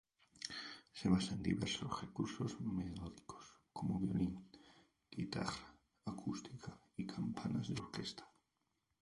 Se basa en diversos recursos melódicos como violín, guitarra acústica, y campanas de orquesta.